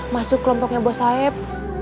masuk kelompoknya bos saeb